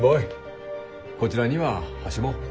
こちらには箸も。